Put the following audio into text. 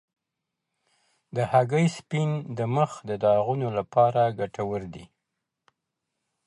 د هګۍ سپین د مخ د داغونو لپاره ګټور دی.